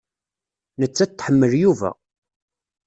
Nettat tḥemmel Yuba.